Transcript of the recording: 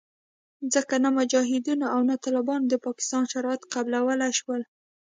ځکه نه مجاهدینو او نه طالبانو د پاکستان شرایط قبلولې شول